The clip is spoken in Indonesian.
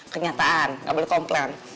kenyataan gak boleh komplain